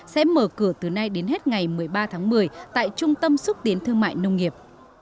sẽ mở cửa từ nay đến hết ngày một mươi ba tháng một mươi tại trung tâm xúc tiến thương mại nông nghiệp